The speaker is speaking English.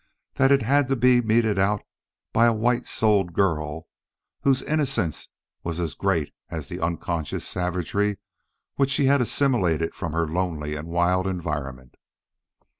that it had to be meted out by a white soled girl whose innocence was as great as the unconscious savagery which she had assimilated from her lonely and wild environment.